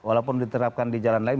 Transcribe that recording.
walaupun diterapkan di jalan lain